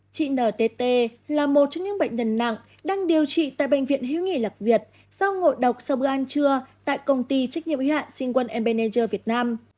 chị ntt là một trong những bệnh nhân nặng đang điều trị tại bệnh viện hiếu nghị lạc việt do ngộ độc sau bữa ăn trưa tại công ty trách nhiệm hiếu hạn sinh quân embeneger việt nam